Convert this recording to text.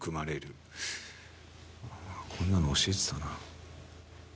こんなの教えてたな。